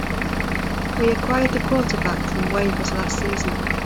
We acquired the quarterback from waivers last season.